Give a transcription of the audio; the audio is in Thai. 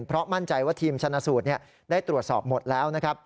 เพราะมั่นใจว่าทีมชนะสูตรได้ตรวจสอบหมดแล้วนะครับ